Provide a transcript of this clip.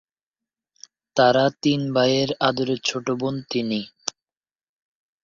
তার তিন ভাইয়ের আদরের ছোট বোন তিনি।